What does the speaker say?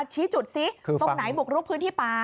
ชี้จุดซิตรงไหนบุกลุกพื้นที่ป่า